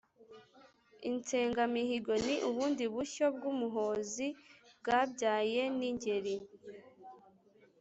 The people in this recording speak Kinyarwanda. . Insengamihigo: Ni ubundi bushyo bw’Umuhozi bwabyawe n’Ingeri.